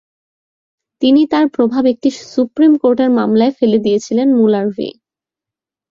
তিনি তার প্রভাব একটি সুপ্রিম কোর্টের মামলায় ফেলে দিয়েছিলেন মুলার ভি।